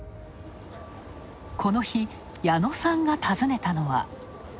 この日、矢野さんが訪ねたのは。